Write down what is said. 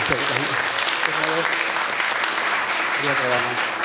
ありがとうございます。